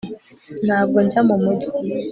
ntabwo njya mumujyi